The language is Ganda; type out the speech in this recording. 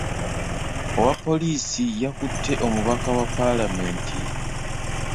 Owa poliisi yakutte omubaka wa paalamenti.